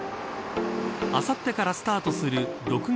あさってからスタートする六月